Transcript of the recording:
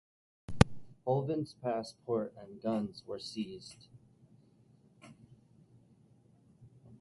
Hovind's passport and guns were seized.